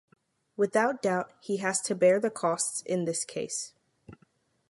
Without doubt, he has to bear the costs in this case.